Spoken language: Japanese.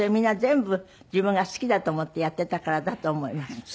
皆全部自分が好きだと思ってやってたからだと思います。